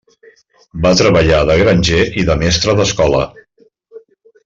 Va treballar de granger i de mestre d'escola.